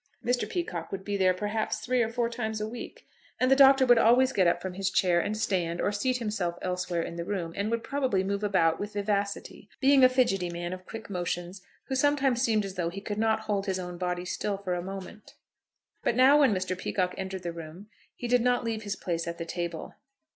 Mr. Peacocke would be there perhaps three or four times a week, and the Doctor would always get up from his chair and stand, or seat himself elsewhere in the room, and would probably move about with vivacity, being a fidgety man of quick motions, who sometimes seemed as though he could not hold his own body still for a moment. But now when Mr. Peacocke entered the room he did not leave his place at the table.